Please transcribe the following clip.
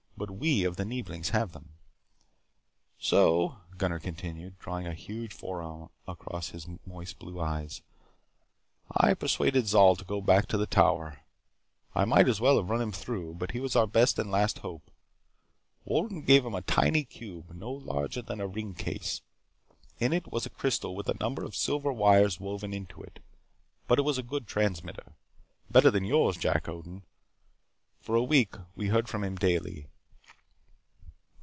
But we of the Neeblings have them. "So," (Gunnar continued, drawing a huge forearm across his moist blue eyes) "I persuaded Zol to go back to the Tower. I might as well have run him through, but he was our best and last hope. Wolden gave him a tiny cube, no larger than a ring case. In it was a crystal with a number of silver wires woven into it, but it was a good transmitter. Better than yours, Jack Odin. For a week we heard from him daily.